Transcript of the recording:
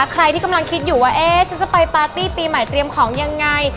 ใครที่กำลังคิดอยู่ว่าเอ๊ะฉันจะไปปาร์ตี้ปีใหม่เตรียมของยังไง